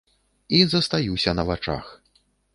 І застаюся на вачах.